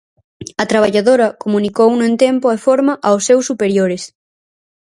A traballadora comunicouno en tempo e forma aos seus superiores.